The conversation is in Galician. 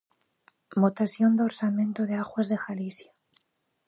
Votación do orzamento de Augas de Galicia.